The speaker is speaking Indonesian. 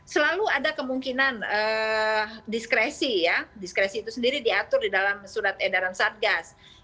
selalu ada kemungkinan diskresi ya diskresi itu sendiri diatur di dalam surat edaran satgas